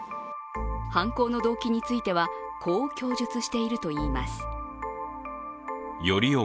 犯行の動機については、こう供述しているといいます。